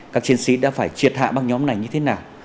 các chiến sĩ đã phải triệt hạ băng nhóm này như thế nào